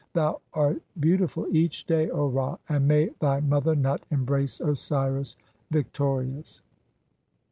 Thou art bcauti 'ful each dav, O Ra, and mav thv mother Nut embrace Osiris ' 2 , victorious."